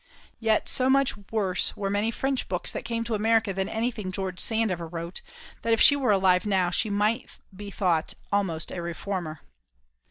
Yet so much worse were many French books that came to America than anything George Sand ever wrote, that if she were alive now she might be thought almost a reformer.